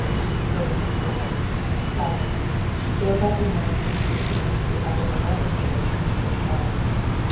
8, Belitha Villas, Clapham, thereby announcing his return to the other eleven villas in the same row.